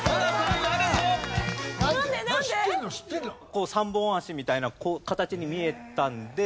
こう３本足みたいな形に見えたんで。